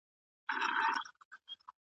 د ځینو زړونه د هغو د هیلو او خفګانو هدیره وي.